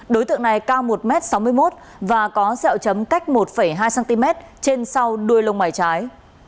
đối tượng này cao một m sáu mươi một và có xẹo chấm cách một hai cm trên sau đuôi lông mày trái